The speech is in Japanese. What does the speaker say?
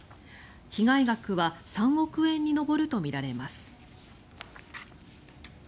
被害額は３億円に上るとみられます。